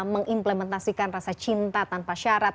mengimplementasikan rasa cinta tanpa syarat